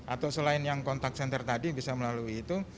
atau selain yang kontak senter tadi bisa melalui itu